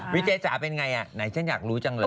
เจ๊จ๋าเป็นไงไหนฉันอยากรู้จังเลย